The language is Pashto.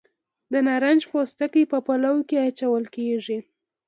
د نارنج پوستکي په پلو کې اچول کیږي.